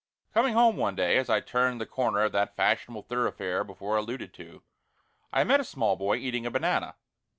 Coming home one day, as I turned the corner of that fashionable thoroughfare before alluded to, I met a small boy eating a banana.